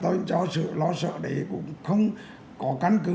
tôi cho sự lo sợ đấy cũng không có căn cứ